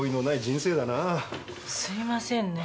すいませんね。